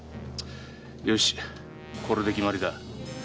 よしこれで決まりだ。